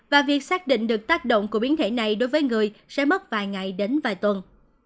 và việc xác định được tác động của biến thể này đối với người sẽ mất vài ngày đến vài tuần